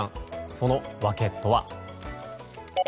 その訳とは。